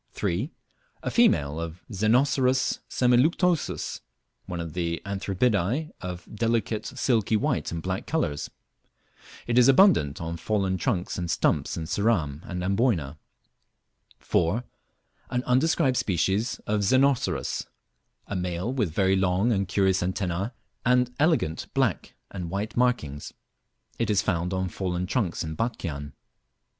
3. A female of Xenocerus semiluctuosus, one of the Anthribidae of delicate silky white and black colours. It is abundant on fallen trunks and stumps in Ceram and Amboyna. 4. An undescribed species of Xenocerus; a male, with very long and curious antenna, and elegant black and white markings. It is found on fallen trunks in Batchian.